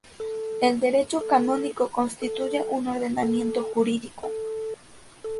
El derecho canónico constituye un ordenamiento jurídico.